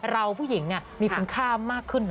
เราผู้หญิงมีภูมิข้ามมากขึ้น